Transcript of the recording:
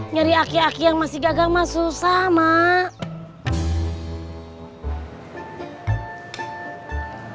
nyari aki aki yang masih gagah mah susah mak